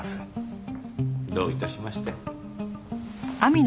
どういたしまして。